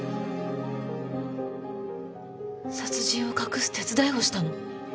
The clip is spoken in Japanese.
殺人を隠す手伝いをしたの？